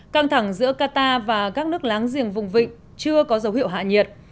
căng thẳng giữa qatar và các nước láng giềng vùng vịnh chưa có dấu hiệu hạ nhiệt